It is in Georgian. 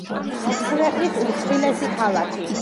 ქვეყნის უმსხვილესი ქალაქი.